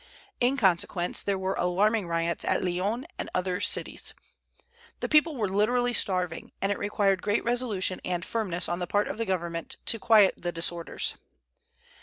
In consequence there were alarming riots at Lyons and other cities. The people were literally starving, and it required great resolution and firmness on the part of government to quiet the disorders.